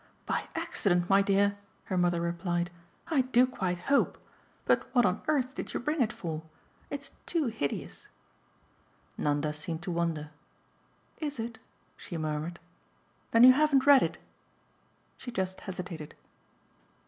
"By accident, my dear," her mother replied, "I do quite hope. But what on earth did you bring it for? It's too hideous." Nanda seemed to wonder. "Is it?" she murmured. "Then you haven't read it?" She just hesitated.